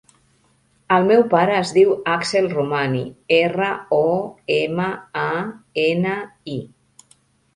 El meu pare es diu Axel Romani: erra, o, ema, a, ena, i.